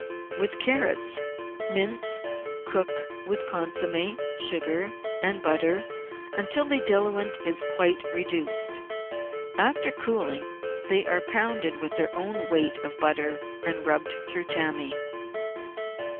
With carrots : Mince and cook with consomme, sugar, and butter until the diluent is quite reduced. After cooling they are pounded with their own weight of butter and rubbed through tammy.